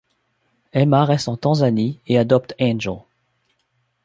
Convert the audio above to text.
Emma reste en Tanzanie et adopte Angel.